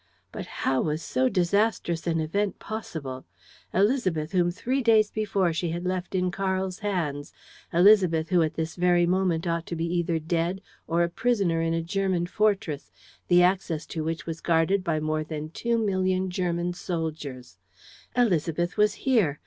But how was so disastrous an event possible? Élisabeth, whom three days before she had left in Karl's hands; Élisabeth, who at this very moment ought to be either dead or a prisoner in a German fortress, the access to which was guarded by more than two million German soldiers: Élisabeth was here!